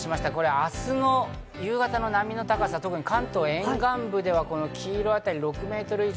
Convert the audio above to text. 明日の夕方の波の高さ、特に関東沿岸部では黄色あたり、６ｍ以上。